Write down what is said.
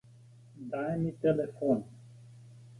Daj mi telefon.